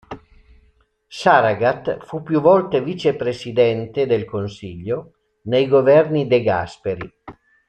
Saragat fu più volte vicepresidente del Consiglio nei governi De Gasperi.